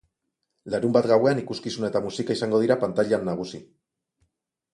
Larunbat gauetan ikuskizuna eta musika izango dira pantailan nagusi.